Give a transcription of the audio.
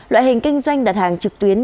loại hình kinh doanh đặt hàng trực tuyến